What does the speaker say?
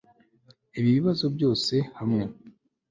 ibi bibazo byose hamwe